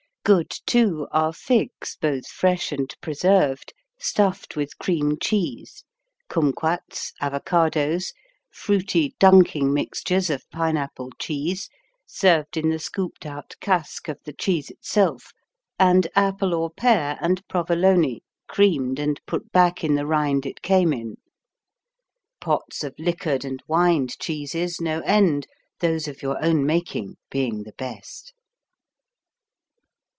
Good, too, are figs, both fresh and preserved, stuffed with cream cheese, kumquats, avocados, fruity dunking mixtures of Pineapple cheese, served in the scooped out casque of the cheese itself, and apple or pear and Provolone creamed and put back in the rind it came in. Pots of liquored and wined cheeses, no end, those of your own making being the best.